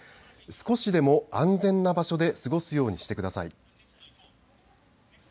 少しでも安全な場所で過ごすようにしてください。